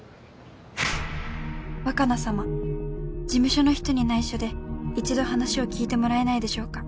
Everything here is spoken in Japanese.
「若菜様事務所の人に内緒で１度話を聞いてもらえないでしょうか？」